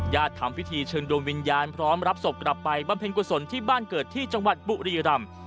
ทำพิธีเชิญดวงวิญญาณพร้อมรับศพกลับไปบำเพ็ญกุศลที่บ้านเกิดที่จังหวัดบุรีรำ